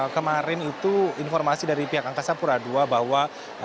kemarin itu informasi dari pihak angkasa pura ii bahwa